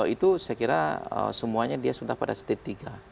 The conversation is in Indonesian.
itu saya kira semuanya dia sudah pada state tiga